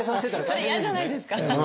それ嫌じゃないですか？